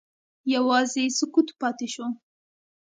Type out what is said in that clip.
یوازې سکوت پاتې شو.